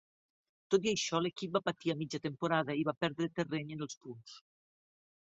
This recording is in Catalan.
Tot i això, l'equip va patir a mitja temporada i va perdre terreny en els punts.